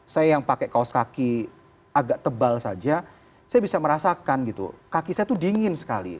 saya yang pakai kaos kaki agak tebal saja saya bisa merasakan gitu kaki saya tuh dingin sekali